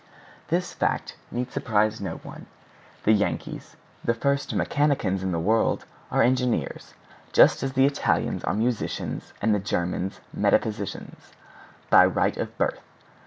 This fact need surprise no one. The Yankees, the first mechanicians in the world, are engineers—just as the Italians are musicians and the Germans metaphysicians—by right of birth.